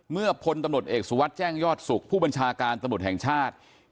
พลตำรวจเอกสุวัสดิ์แจ้งยอดสุขผู้บัญชาการตำรวจแห่งชาติ